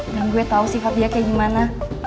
dan gue tau sifat dia kayak gimana